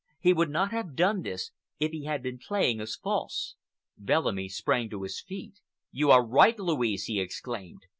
He would not have done this if he had been playing us false." Bellamy sprang to his feet. "You are right, Louise!" he exclaimed.